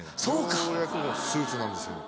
ようやくのスーツなんですよ。